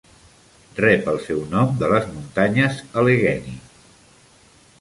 Rep el seu nom de les muntanyes Allegheny.